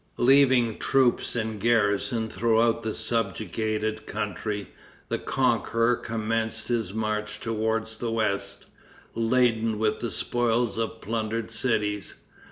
Leaving troops in garrison throughout the subjugated country, the conqueror commenced his march towards the west, laden with the spoils of plundered cities.